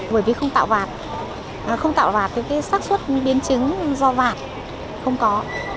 bởi vì không tạo vạt không tạo vạt thì cái sắc xuất biến chứng do vạt không có